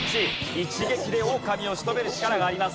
一撃でオオカミを仕留める力があります。